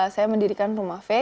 saya mendirikan rumah v